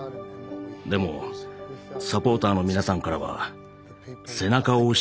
でもサポーターの皆さんからは背中を押してもらえたと思います。